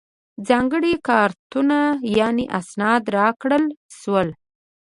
ځانګړي کارتونه یعنې اسناد راکړل شول.